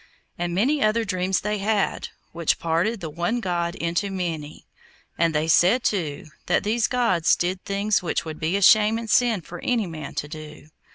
And many other dreams they had, which parted the One God into many; and they said, too, that these gods did things which would be a shame and sin for any man to do.